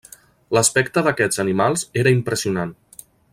L'aspecte d'aquests animals era impressionant.